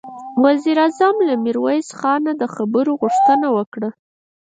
وزير اعظم له ميرويس خانه د خبرو غوښتنه وکړه.